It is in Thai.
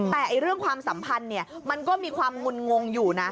แต่เรื่องความสัมพันธ์มันก็มีความงุนงงอยู่นะ